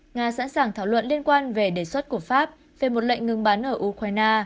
nga sẵn sàng thảo luận liên quan về đề xuất của pháp về một lệnh ngừng bắn ở ukraine